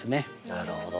なるほど。